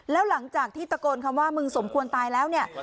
แล้วหลังจากที่ตะโกนคำว่ามึงสมควรตายแล้วเนี่ย